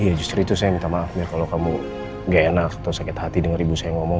iya justru itu saya minta maaf ya kalau kamu gak enak atau sakit hati dengar ibu saya ngomong